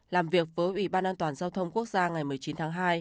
làm việc với ủy ban an toàn giao thông quốc gia ngày một mươi chín tháng hai